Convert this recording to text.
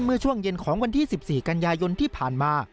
เมื่อช่วงเย็นของวันที่๑๔กันยายนที่ผ่านมา